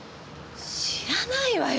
知らないわよ